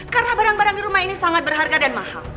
karena barang barang di rumah ini sangat berharga dan mahal